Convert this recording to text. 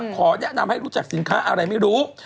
ขอแนะนำให้รู้จักสินค้าอะไรไม่รู้